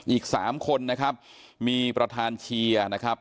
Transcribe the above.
อีก๓คนนะครับมีประธานเชียร์นะครับ